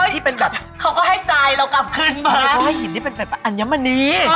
เห้ยเขาก็ให้ซายเรากลับขึ้น